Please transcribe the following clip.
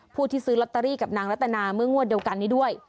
ผู้ที่ซื้อลอตเตอรี่กับนางรัตนาเมื่องวดเดียวกันนี้ด้วย